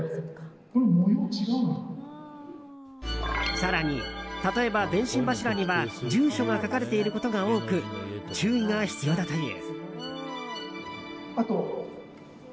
更に、例えば電信柱には住所が書かれていることが多く注意が必要だという。